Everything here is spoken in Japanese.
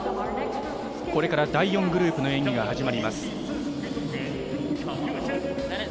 これから第４グループの演技が始まります。